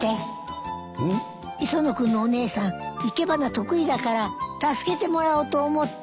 磯野君のお姉さん生け花得意だから助けてもらおうと思って。